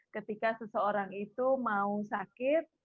ketika seseorang itu mau sakit